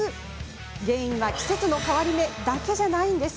原因は季節の変わり目だけじゃないんです。